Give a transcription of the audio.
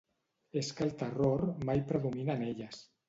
És que el terror mai predomina en elles.